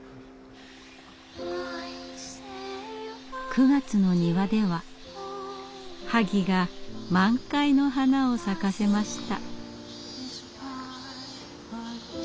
９月の庭では萩が満開の花を咲かせました。